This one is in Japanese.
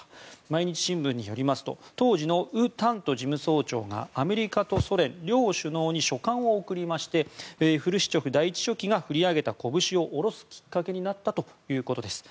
毎日新聞によりますと当時のウ・タント事務総長が米ソの両首脳に書簡を送りましてフルシチョフ第１書記が振り上げた拳を下ろすきっかけになったということです。